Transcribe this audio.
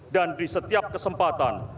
dan di setiap kesempatan